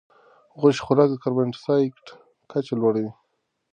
غوښې خوراک د کاربن ډای اکسایډ کچه لوړوي.